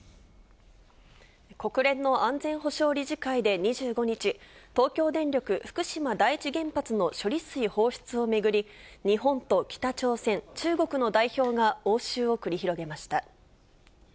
国連の安全保障理事会で２５日、東京電力福島第一原発の処理水放出を巡り、日本と北朝鮮、中国の代表が応酬を繰り広げました。